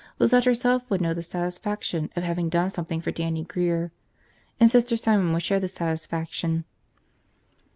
Lizette herself would know the satisfaction of having done something for Dannie Grear. And Sister Simon would share the satisfaction.